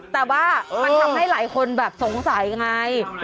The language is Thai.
แต่ว่ามันทำให้หลายคนแบบสงสัยไง